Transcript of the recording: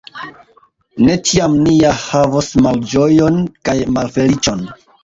Ne ĉiam ni ja havos malĝojon kaj malfeliĉon!